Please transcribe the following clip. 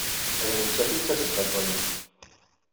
D nettat ay d tasebba n waya.